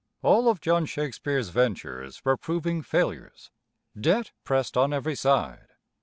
All of John Shakespeare's ventures were proving failures. Debt pressed on every side.